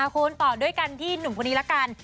คุณต่อด้วยกันที่หนุ่มคนนี้ละกัน